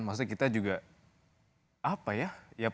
maksudnya kita juga apa ya